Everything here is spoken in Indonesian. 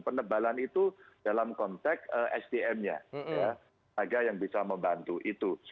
penebalan itu dalam konteks sdm nya agar yang bisa membantu itu